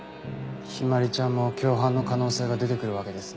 陽葵ちゃんも共犯の可能性が出てくるわけですね。